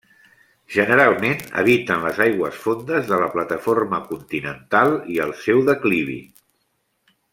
Generalment, habiten les aigües fondes de la plataforma continental i el seu declivi.